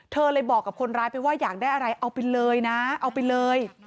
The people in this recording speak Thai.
เธอเลยบอกกับคนร้ายไปว่าอยากได้อะไรเอาไปเลยนะเอาไปเลย